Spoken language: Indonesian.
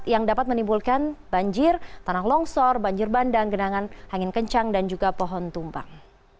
yang dapat menimbulkan banjir tanah longsor banjir bandang genangan angin kencang dan juga pohon tumbang